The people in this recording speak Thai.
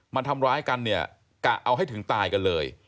มาทำร้ายกันเนี่ยกะเอาให้ถึงตายกันเลย